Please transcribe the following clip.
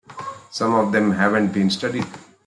Some of them haven't been studied.